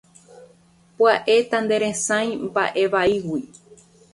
Pya'e tanderesarái mba'e vaígui.